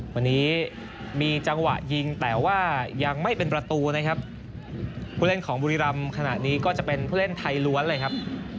วันนี้มีจังหวะยิงแต่ว่ายังไม่เป็นประตูนะครับผู้เล่นของบุรีรำขณะนี้ก็จะเป็นผู้เล่นไทยล้วนเลยครับ